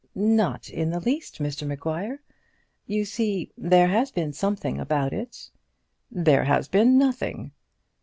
"Not in the least, Mr Maguire. You see there has been something about it." "There has been nothing."